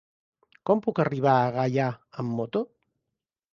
Com puc arribar a Gaià amb moto?